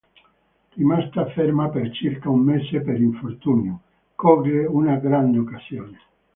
Rimasta ferma per circa un mese per infortunio, coglie una grande occasione.